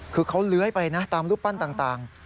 คือเขาเลื้อยไปนะตามรูปปั้นต่าง